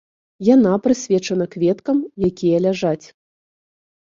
Яна прысвечана кветкам, якія ляжаць.